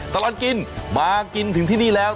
ตลอดกินมากินถึงที่นี่แล้ว